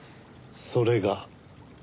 それが？